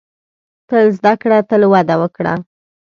• تل زده کړه، تل وده وکړه.